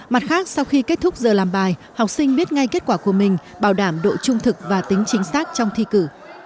mặt khác sau khi kết thúc giờ làm bài học sinh biết ngay kết quả của mình bảo đảm độ trung thực và tính chính xác trong thi cử